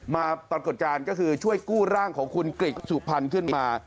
ปรากฏการณ์ก็คือช่วยกู้ร่างของคุณกริกสุพรรณขึ้นมา